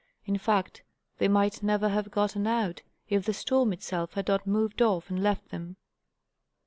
In fact, they might never have gotten out, if the storm itself had not moved off and left them.